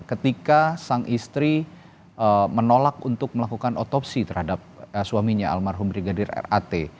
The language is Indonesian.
ketika sang istri menolak untuk melakukan otopsi terhadap suaminya almarhum brigadir rat